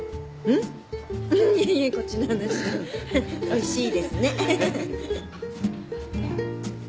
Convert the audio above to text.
おいしいですね。